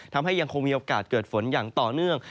ยังคงมีโอกาสเกิดฝนอย่างต่อเนื่อง